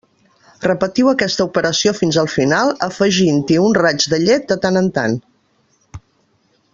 Repetiu aquesta operació fins al final, afegint-hi un raig de llet de tant en tant.